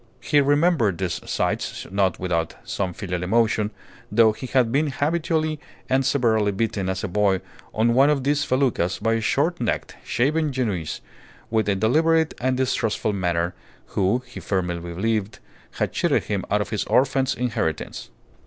He remembered these sights not without some filial emotion, though he had been habitually and severely beaten as a boy on one of these feluccas by a short necked, shaven Genoese, with a deliberate and distrustful manner, who (he firmly believed) had cheated him out of his orphan's inheritance.